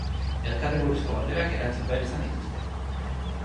Elkarri buruzko galderak erantzun behar izan dituzte.